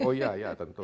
oh ya ya tentu